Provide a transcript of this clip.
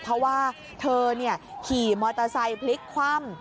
เพราะว่าเธอขี่มอเตอร์ไซค์พลิกคว่ำ